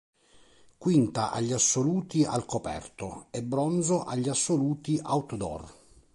Quinta agli assoluti al coperto e bronzo agli assoluti outdoor.